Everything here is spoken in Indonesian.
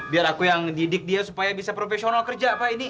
biar aku yang didik dia supaya bisa profesional kerja pak